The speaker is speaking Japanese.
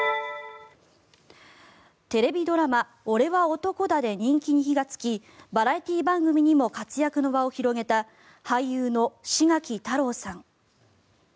テレビドラマ「おれは男だ！」で人気に火がつきバラエティー番組にも活躍の場を広げた俳優の志垣太郎さん。